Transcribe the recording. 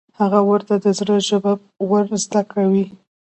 هغه ورته د زړه ژبه ور زده کوي.